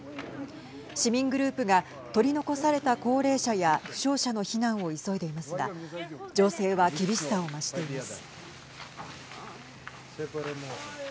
市民グループが取り残された高齢者や負傷者の避難を急いでいますが情勢は、厳しさを増しています。